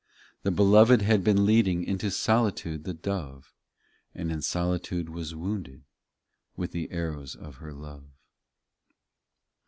Tke Beloved had been leading Into solitude the dove, And in solitude was wounded With the arrows of her love.